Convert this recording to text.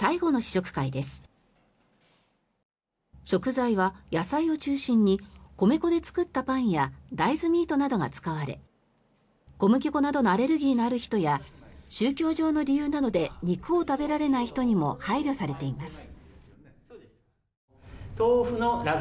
食材は野菜を中心に米粉で作ったパンや大豆ミートなどが使われ小麦粉などのアレルギーのある人や宗教上の理由などで肉を食べられない人にも配慮されています。